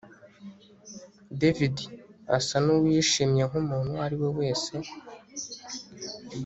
David asa nuwishimye nkumuntu uwo ari we wese